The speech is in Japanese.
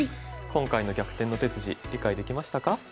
今回の「逆転の手筋」理解できましたか？